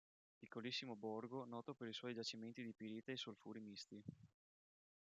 Piccolissimo borgo noto per i suoi giacimenti di pirite e solfuri misti.